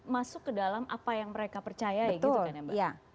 masuk ke dalam apa yang mereka percaya ya gitu kan mbak